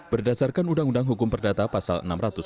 berdasarkan undang undang hukum perdata pasal enam ratus enam puluh tujuh